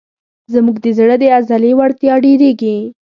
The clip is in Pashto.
زموږ د زړه د عضلې وړتیا ډېرېږي.